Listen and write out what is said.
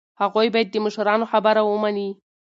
هغوی باید د مشرانو خبره ومني.